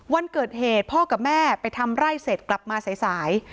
วันเกิดเหตุพ่อกับแม่ไปทำไร่เสร็จกลับมาสาย